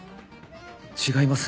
違います。